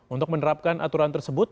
untuk menerapkan aturan tersebut